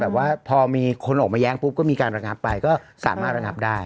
แต่ว่าพอมีคนออกมาแย้งปุ๊บก็มีการระงับไปก็สามารถระงับได้